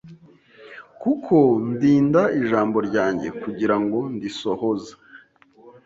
kuko ndinda ijambo ryanjye kugira ngo ndisohoze